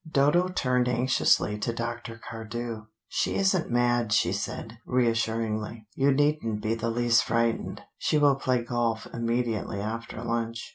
Dodo turned anxiously to Dr. Cardew. "She isn't mad," she said reassuringly. "You needn't be the least frightened. She will play golf immediately after lunch."